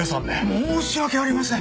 申し訳ありません。